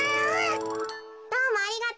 どうもありがとう。